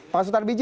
pak sutar miji